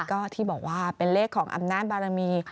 ก็ที่บอกว่าเป็นเลขของอำนาจบารมี